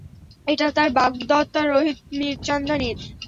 এটা তার বাগদত্তা রোহিত মীরচন্দানির।